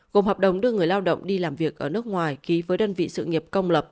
gồm hợp đồng đưa người lao động đi làm việc ở nước ngoài ký với đơn vị sự nghiệp công lập